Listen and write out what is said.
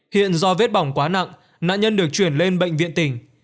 hiện do vết bỏng quá nặng nạn nhân được chuyển lên bệnh viện tỉnh